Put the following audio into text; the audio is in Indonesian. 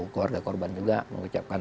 keluarga korban juga mengucapkan